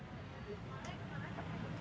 boleh sambil bikin